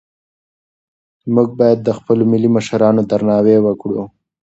موږ باید د خپلو ملي مشرانو درناوی وکړو.